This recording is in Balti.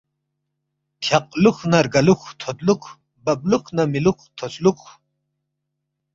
تَھیاق لوکھ نہ رگہ لُوکھ تھودلوکھ ، بب لوکھ نہ مِلوکھ تھوس لوکھ